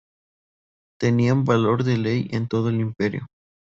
Tenían valor de ley en todo el Imperio.